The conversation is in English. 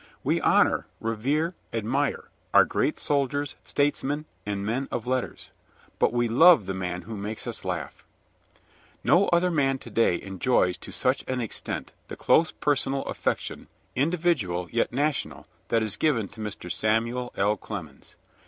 We honor, revere, admire our great soldiers, statesmen, and men of letters, but we love the man who makes us laugh. No other man to day enjoys to such an extent the close personal affection, individual yet national, that is given to Mr. Samuel L. Clemens.